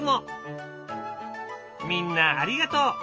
みんなありがとう！